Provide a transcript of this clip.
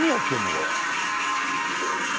これ」